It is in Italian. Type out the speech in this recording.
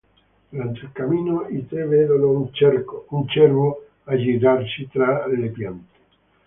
Durante il cammino i tre vedono un cervo aggirarsi tra le piante.